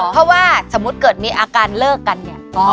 เพราะว่าสมมุติเกิดมีอาการเลิกกันเนี่ย